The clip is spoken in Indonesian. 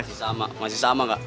masih sama masih sama kak